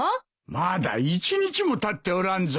まだ一日もたっておらんぞ。